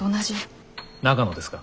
長野ですか？